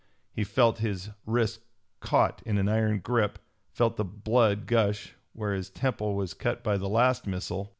He felt his wrist caught in an iron grip, felt the blood gush where his temple was cut by the last missile.